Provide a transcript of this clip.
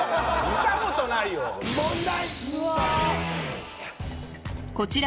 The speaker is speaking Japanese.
見たことないよ問題